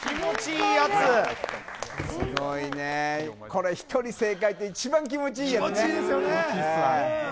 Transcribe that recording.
これ、１人正解って一番気持ちいいやつだね。